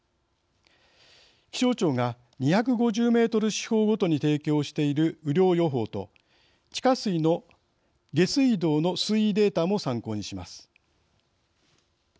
気象庁が２５０メートル四方ごとに提供している雨量予報と地下水の下水道の水位データも参考にします。